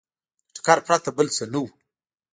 له ټکر پرته بل څه نه وو